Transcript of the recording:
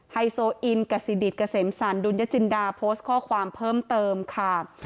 ไฮโซอินกสิดิตเกษมสรรดุลยจินดาโพสต์ข้อความเพิ่มเติมค่ะ